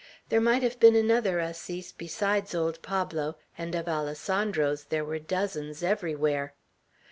There might have been another Assis besides old Pablo, and of Alessandros there were dozens everywhere.